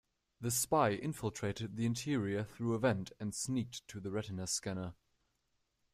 The spy infiltrated the interior through a vent and sneaked to the retina scanner.